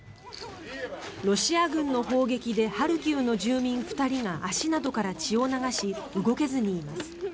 ロシア軍の砲撃でハルキウの住民２人が足などから血を流し動けずにいます。